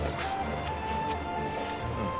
うん。